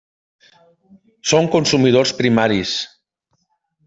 Són consumidors primaris.